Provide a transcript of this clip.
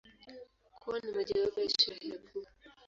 Kwao ni mojawapo ya Sherehe kuu.